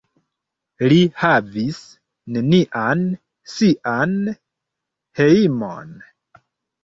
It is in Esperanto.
Li havis nenian sian hejmon.